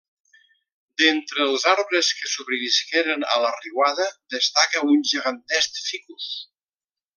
D'entre els arbres que sobrevisqueren a la riuada destaca un gegantesc ficus.